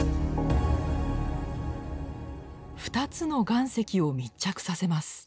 ２つの岩石を密着させます。